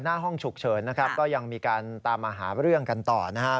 หน้าห้องฉุกเฉินนะครับก็ยังมีการตามมาหาเรื่องกันต่อนะครับ